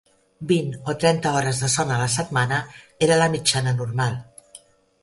Vint o trenta hores de son a la setmana era la mitjana normal